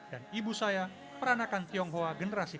dan ibu saya peranakan tionghoa generasi ii